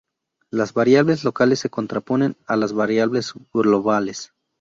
Las variables locales se contraponen a las variables globales.